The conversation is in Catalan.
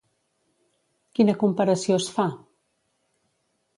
Quina comparació es fa?